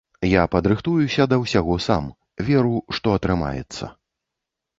Я падрыхтуюся да ўсяго сам, веру, што атрымаецца.